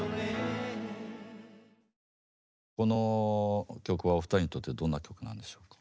この曲はお二人にとってどんな曲なんでしょうか？